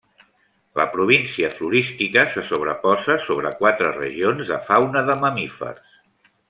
La província florística se sobreposa sobre quatre regions de fauna de mamífers.